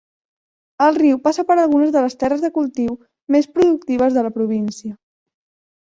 El riu passa per algunes de les terres de cultiu més productives de la província.